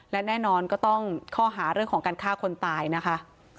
และแน่นอนก็ต้องข้อหาเรื่องของการฆ่าคนตายนะคะ